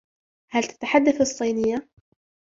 هل تتحدث الصينية؟